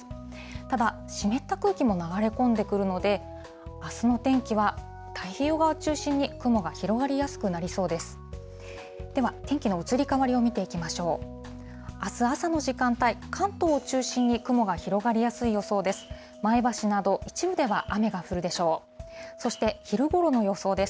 ただ、湿った空気も流れ込んでくるので、あすの天気は太平洋側を中心に雲が広がりやすくなりそうです。